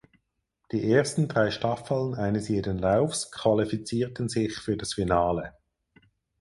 Die ersten drei Staffeln eines jeden Laufs qualifizierten sich für das Finale.